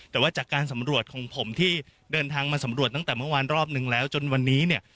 แต่ว่าจากการสำรวจของผมที่เดินทางมาสำรวจตั้งแต่เมื่อวานรอบนึงแล้วจนวันนี้เนี่ย